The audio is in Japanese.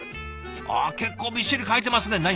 あ結構びっしり書いてますね。